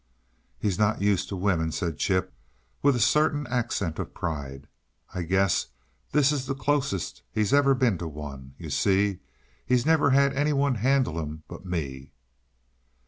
"He's not used to a woman," said Chip, with a certain accent of pride. "I guess this is the closest he's ever been to one. You see, he's never had any one handle him but me."